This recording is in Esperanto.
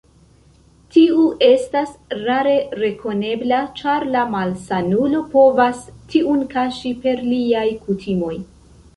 Tiu estas rare rekonebla, ĉar la malsanulo povas tiun kaŝi per liaj kutimoj.